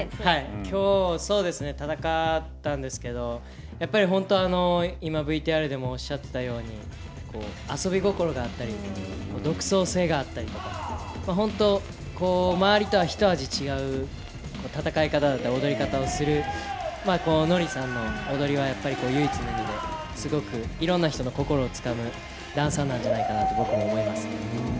きょうそうですね、戦ったんですけど、やっぱり本当、今ＶＴＲでもおっしゃってたように、遊び心があったり、独創性があったりとか、本当、周りとは一味違う、戦い方だったり、踊り方をするＮＯＲＩさんの踊りはやっぱり、唯一無二で、すごくいろんな人の心をつかむ、ダンサーなんじゃないかと僕も思います。